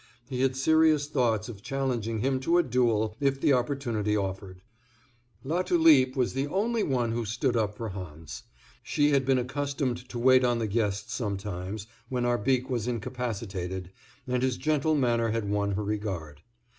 He had serious thoughts of challenging him to a duel, if the opportunity offered. Latulipe was the only one who stood up for Hans. She had been accustomed to wait on the guests sometimes, when Arbique was incapacitated, and his gentle manner had won her regard.